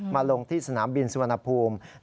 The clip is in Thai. มาลงที่สนามบิลสุวนภูมิ